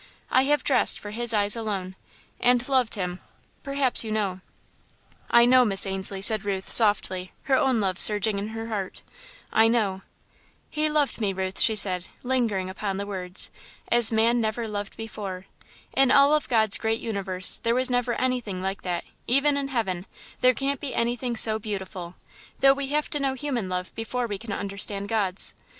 I have dressed for his eyes alone, and loved him perhaps you know " "I know, Miss Ainslie," said Ruth, softly, her own love surging in her heart, "I know." "He loved me, Ruth," she said, lingering upon the words, "as man never loved before. In all of God's great universe, there was never anything like that even in Heaven, there can't be anything so beautiful, though we have to know human love before we can understand God's.